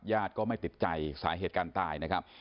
ก็ไม่ติดใจสาเหตุการณ์ตายนะครับ